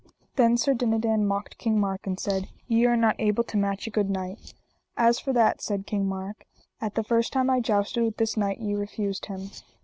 Then Sir Dinadan mocked King Mark and said: Ye are not able to match a good knight. As for that, said King Mark, at the first time I jousted with this knight ye refused him.